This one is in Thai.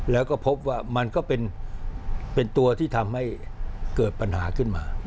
แล้วก็พบว่ามันก็เป็นตัวที่ทำให้เกิดปัญหาขึ้นมา